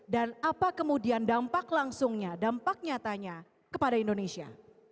dan apa kemudian dampak langsungnya dampak nyatanya kepada indonesia